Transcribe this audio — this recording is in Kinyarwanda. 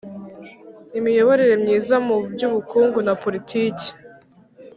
imiyoborere myiza mu by'ubukungu na politiki